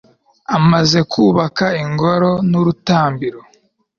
amaze kubaka ingoro n'urutambiro